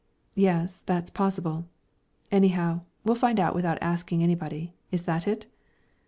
"Yes; that's possible. Anyhow, we'll find out without asking anybody, is that it?"